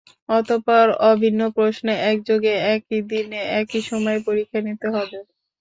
অতঃপর অভিন্ন প্রশ্নে একযোগে একই দিনে একই সময়ে পরীক্ষা নিতে হবে।